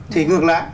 thì ngược lại